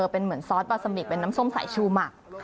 เป็นเหมือนซอสปลาซามิเป็นน้ำส้มสายชูหมัก